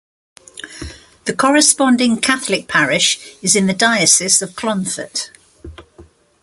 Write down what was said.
The corresponding Catholic parish is in the Diocese of Clonfert.